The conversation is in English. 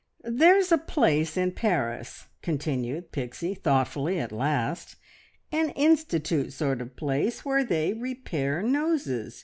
"There's a place in Paris," continued Pixie thoughtfully at last, "an institute sort of place, where they repair noses!